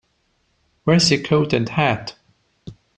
Where's your coat and hat?